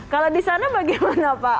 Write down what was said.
kalau di sana bagaimana pak